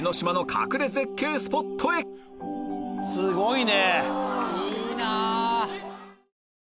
すごいね！